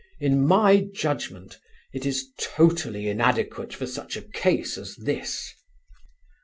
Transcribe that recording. In my judgment it is totally inadequate for such a case as this.